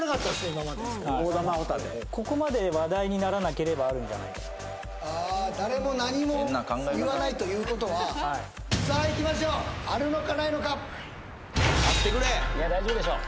今までここまで話題にならなければあるんじゃないかとああ誰も何も言わないということはさあいきましょうあるのかないのか・あってくれ・いや大丈夫でしょう